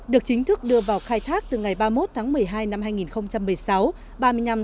được chính thức đưa vào khai thác từ ngày ba mươi một tháng một mươi hai năm hai nghìn một mươi sáu